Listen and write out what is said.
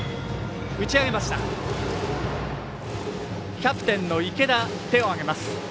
キャプテンの池田、手をあげます。